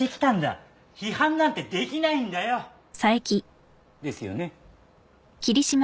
批判なんてできないんだよ。ですよね？